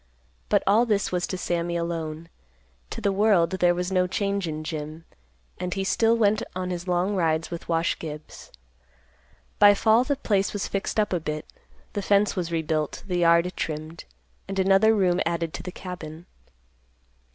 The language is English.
But all this was to Sammy alone. To the world, there was no change in Jim, and he still went on his long rides with Wash Gibbs. By fall, the place was fixed up a bit; the fence was rebuilt, the yard trimmed, and another room added to the cabin.